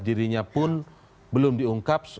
dirinya pun belum diungkap